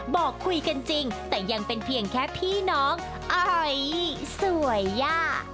บอกคุยกันจริงแต่ยังเป็นเพียงแค่พี่น้องออยสวยย่า